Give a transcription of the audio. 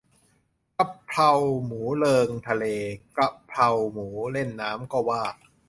กระเพราหมูเริงทะเล กระเพราหมูเล่นน้ำ ก็ว่า